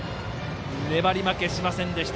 粘り負けしませんでした。